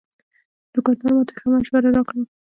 دوکاندار ماته ښه مشوره راکړه.